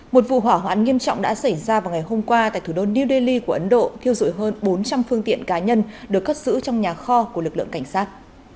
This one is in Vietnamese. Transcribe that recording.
một vụ hỏa hoạn nghiêm trọng đã xảy ra vào ngày hôm qua tại thủ đô new delhi của ấn độ thiêu dụi hơn bốn trăm linh phương tiện cá nhân được cất giữ trong nhà kho của lực lượng cảnh sát